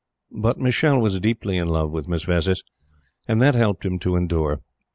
But Michele was deeply in love with Miss Vezzis, and that helped him to endure.